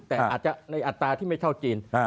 แต่อาจจะในอัตราที่ไม่เท่าจีน